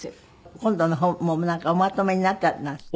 今度の本もなんかおまとめになったりなすって？